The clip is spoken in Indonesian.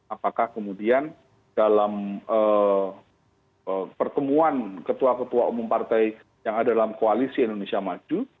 apakah kemudian dalam pertemuan ketua ketua umum partai yang ada dalam koalisi indonesia maju